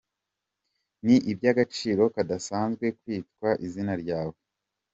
Ni iby’agaciro kadasanzwe kwitwa izina ryawe.”